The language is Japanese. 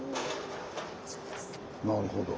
なるほど。